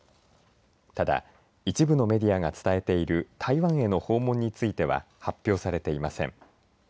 ただ、一部のメディアが伝えている台湾への訪問については発表されていません。